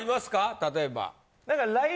例えば。